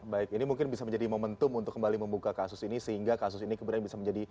baik ini mungkin bisa menjadi momentum untuk kembali membuka kasus ini sehingga kasus ini kemudian bisa menjadi